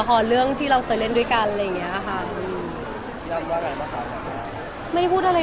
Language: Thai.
คุณสิ่งฝิงฟิ้นไหมฮะคุณไอจีพี่